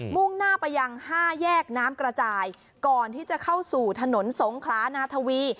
่งหน้าไปยังห้าแยกน้ำกระจายก่อนที่จะเข้าสู่ถนนสงขลานาทวี